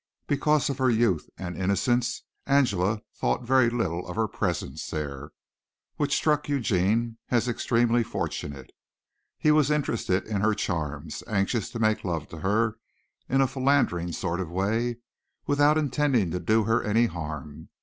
Because of her youth and innocence Angela thought very little of her presence there, which struck Eugene as extremely fortunate. He was interested in her charms, anxious to make love to her in a philandering sort of way, without intending to do her any harm.